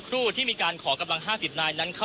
คุณทัศนาควดทองเลยค่ะ